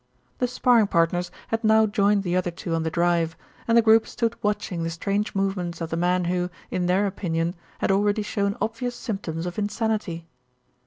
The sparring partners had now joined the other two on the drive, and the group stood watching the strange movements of the man who, in their opinion, had already shown obvious symptoms of insanity.